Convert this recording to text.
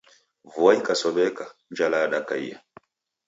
Vua ikasow'eka, njala yadakaia